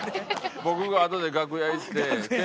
僕があとで楽屋行ってハハハハ！